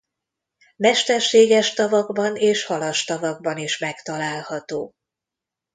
Mesterséges tavakban és halastavakban is megtalálható.